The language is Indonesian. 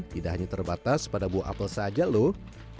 tidak hanya terbatas pada buah apel saja loh